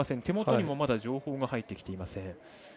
手元にもまだ情報が入ってきていません。